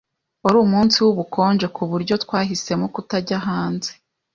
Wari umunsi wubukonje kuburyo twahisemo kutajya hanze.